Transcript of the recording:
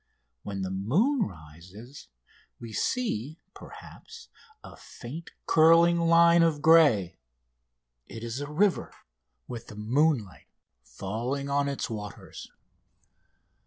When the moon rises we see, perhaps, a faint curling line of grey. It is a river, with the moonlight falling on its waters.